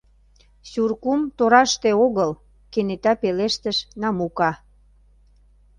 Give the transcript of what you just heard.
— Сюркум тораште огыл, — кенета пелештыш Намука.